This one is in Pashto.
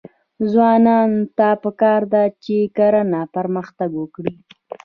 ځوانانو ته پکار ده چې، کرنه پرمختګ ورکړي.